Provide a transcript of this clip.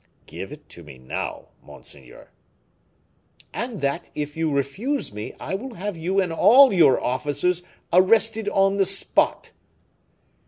"Give it to me now, monseigneur." "And that, if you refuse me, I will have you and all your officers arrested on the spot."